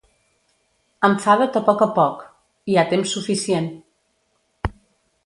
Enfada't a poc a poc; hi ha temps suficient.